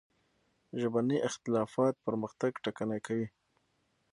ژبني اختلافات پرمختګ ټکنی کوي.